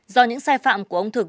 do những sai phạm của ông thực